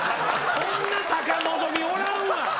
こんな高望みおらんわ！